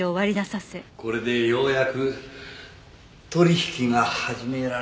これでようやく取引が始められる。